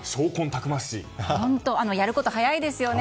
やること早いですよね。